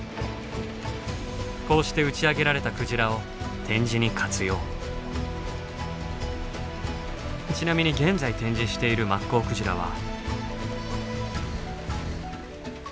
こうして打ち上げられたクジラをちなみに現在展示しているマッコウクジラは。